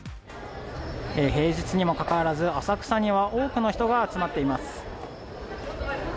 平日にもかかわらず、浅草には多くの人が集まっています。